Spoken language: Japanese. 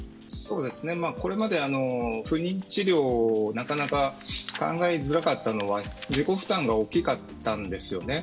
これまで不妊治療なかなか考えづらかったのは自己負担が大きかったんですよね。